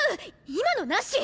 今のなし。